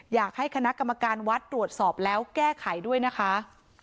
อยากให้คณะกรรมการวัดตรวจสอบแล้วแก้ไขด้วยนะคะ